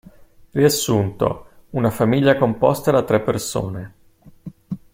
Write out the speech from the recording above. Riassunto: Una famiglia composta da tre persone.